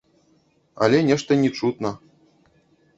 Але нешта не чутна.